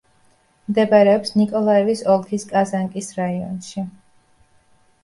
მდებარეობს ნიკოლაევის ოლქის კაზანკის რაიონში.